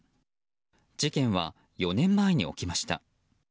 事件は４年前に起きました。